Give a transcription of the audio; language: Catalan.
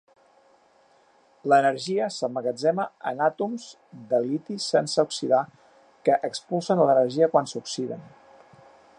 L'energia s'emmagatzema en àtoms de liti sense oxidar que expulsen l'energia quan s'oxiden.